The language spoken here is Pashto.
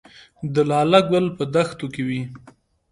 د لاله ګل په دښتو کې وي